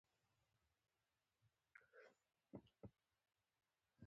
بهلول په ځواب کې ورته وویل چې هر څومره فکر مې وکړ.